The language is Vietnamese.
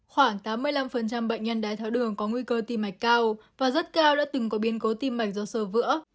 khoảng tám mươi năm bệnh nhân đái tháo đường có nguy cơ tim mạch cao và rất cao đã từng có biến cố tim mạch do sơ vữa